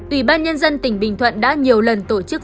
ủy ban nhân dân tỉnh bình thuận đã nhiều lần tổ chức